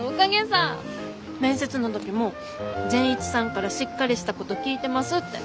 面接の時も「善一さんからしっかりした子と聞いてます」って。